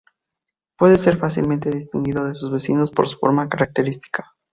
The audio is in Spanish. Puede ser fácilmente distinguido de sus vecinos por su forma característica.